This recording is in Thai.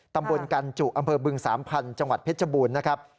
ตำบลกันจุอำเภอบึงสามพันธุ์จังหวัดเพชรบูรณ์นะครับ